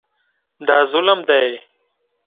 دا ظلم دی.